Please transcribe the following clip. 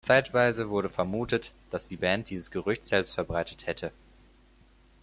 Zeitweise wurde vermutet, dass die Band dieses Gerücht selbst verbreitet hätte.